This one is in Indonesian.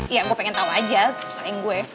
ya gue pengen tau aja sayang gue